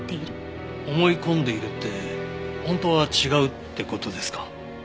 思い込んでいるって本当は違うって事ですか？